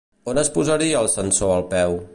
On es posaria el sensor al peu?